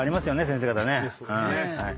先生方ね。